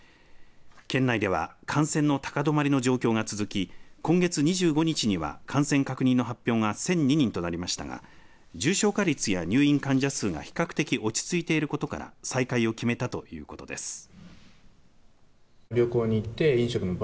県内では感染の高止まりの状況が続き今月２５日には感染確認の発表が１００２人となりましたが重症化率や入院患者数が比較的落ち着いていることから再開を決めたということです。